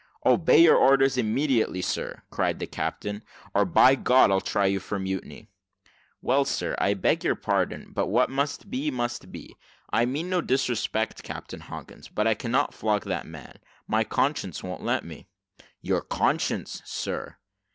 "Obey your orders, immediately, sir," cried the captain; "or, by God, I'll try you for mutiny." "Well, sir, I beg your pardon; but what must be, must be. I mean no disrespect, Captain Hawkins, but I cannot flog that man my conscience won't let me." "Your conscience, sir?"